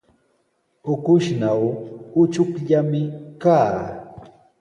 Ukushnaw uchukllami kaa.